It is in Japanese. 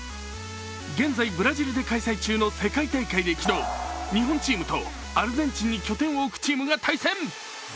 現在、ブラジルで開催中の世界大会で昨日、日本チームとアルゼンチンに拠点を置くチームが対戦。